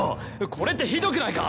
これってひどくないか？